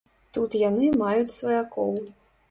Тут яны маюць сваякоў.